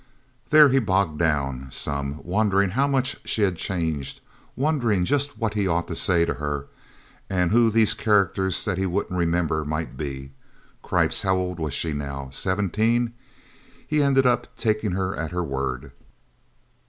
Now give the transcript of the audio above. There he bogged down, some, wondering how much she had changed, wondering just what he ought to say to her, and who these characters that he wouldn't remember, might be. Cripes, how old was she, now? Seventeen? He ended up taking her at her word.